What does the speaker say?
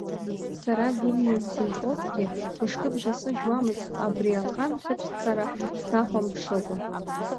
Сара Вильниус сынхозҭгьы, мышкы бжьасыжьуамызт абри ахан хьыҵәцара снахәамԥшыкәа.